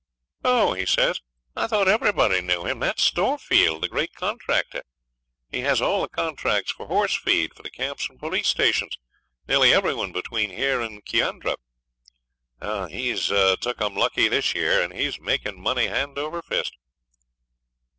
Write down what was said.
'Oh!' he says, 'I thought everybody knew him. That's Storefield, the great contractor. He has all the contracts for horse feed for the camps and police stations; nearly every one between here and Kiandra. He's took 'em lucky this year, and he's making money hand over fist.'